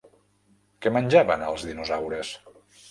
Què menjaven els dinosaures?